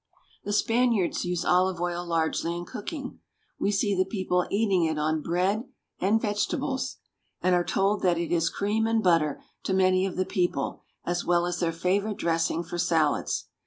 The Spaniards use olive oil largely in cooking. We see the people eating it on bread and vegetables, and are told that it is cream and butter to many of the people, as well as their favorite dressing for salads.